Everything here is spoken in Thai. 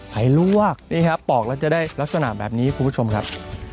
ไปลวกนี่ครับปอกแล้วจะได้ลักษณะแบบนี้คุณผู้ชมครับ